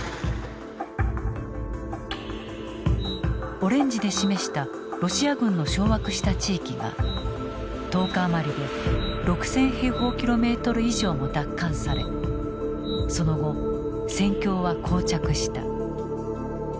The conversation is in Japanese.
オレンジで示したロシア軍の掌握した地域が１０日余りで６，０００平方キロメートル以上も奪還されその後戦況は膠着した。